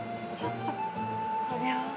ちょっとそれは。